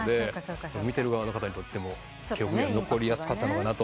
見てる側の方にとっても記憶に残りやすかったかなと。